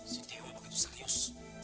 si dewa begitu serius